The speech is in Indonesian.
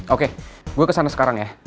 oke gue kesana sekarang ya